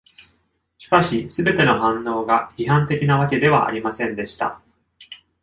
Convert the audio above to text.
しかし全ての反応が批判的なわけではありませんでした。